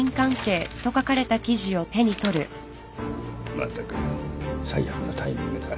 まったく最悪のタイミングだ